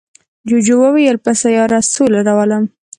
جوجو وویل په سیاره سوله راولم.